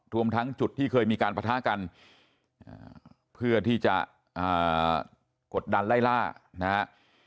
รวมทั้งจุดที่เคยมีการประทะกันเพื่อที่จะกดดันไล่ล่านะฮะ